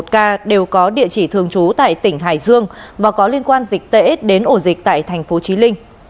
một ca đều có địa chỉ thường trú tại tỉnh hải dương và có liên quan dịch tễ đến ổ dịch tại thành phố trí linh